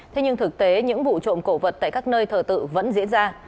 thực tế những vụ trộm cổ vật tại các nơi thờ tự vẫn diễn ra